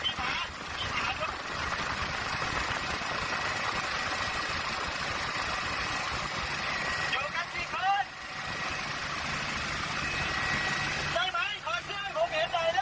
ใจมั้ยการร่าบเป็นใคร